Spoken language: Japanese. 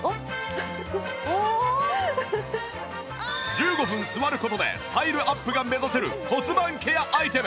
１５分座る事でスタイルアップが目指せる骨盤ケアアイテム